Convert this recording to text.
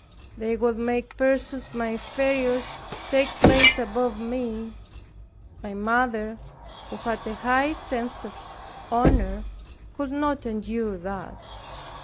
They would make persons my inferiors take place above me. My mother, who had a high sense of honor, could not endure that.